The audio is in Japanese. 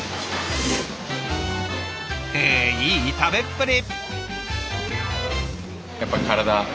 えいい食べっぷり！